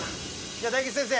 じゃあ大吉先生